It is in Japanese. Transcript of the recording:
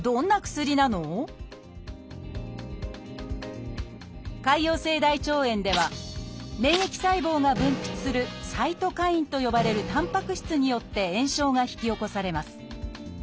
潰瘍性大腸炎では免疫細胞が分泌する「サイトカイン」と呼ばれるたんぱく質によって炎症が引き起こされます。